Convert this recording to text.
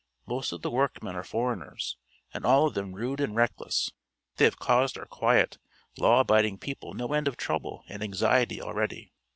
Most of the workmen are foreigners, and all of them rude and reckless. They have caused our quiet, law abiding people no end of trouble and anxiety already.